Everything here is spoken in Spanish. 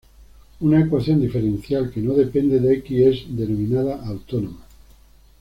Una ecuación diferencial que no depende de "x" es denominada autónoma.